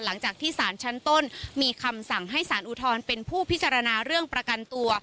หลังจากที่สารชั้นต้นมีคำสั่งให้สารอุทธรณ์เป็นผู้พิจารณาเรื่องประกันตัว